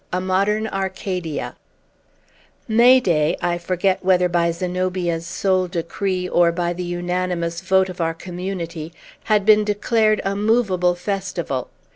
A MODERN ARCADIA May day I forget whether by Zenobia's sole decree, or by the unanimous vote of our community had been declared a movable festival.